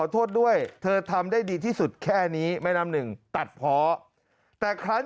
โทษด้วยเธอทำได้ดีที่สุดแค่นี้แม่น้ำหนึ่งตัดเพาะแต่ครั้ง